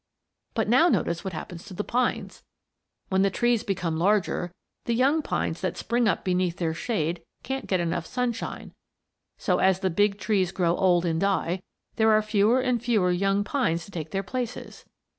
But now notice what happens to the pines. When the trees become larger, the young pines that spring up beneath their shade can't get enough sunshine, so, as the big trees grow old and die, there are fewer and fewer young pines to take their places.